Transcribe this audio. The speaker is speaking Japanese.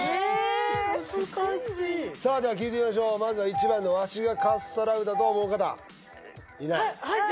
難しいでは聞いてみましょうまずは１番のワシがかっさらうだと思う方いない